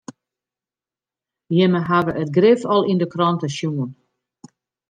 Jimme hawwe it grif al yn de krante sjoen.